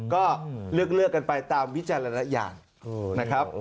ก็เลือกกันไปตามวิจารณญาณนะครับ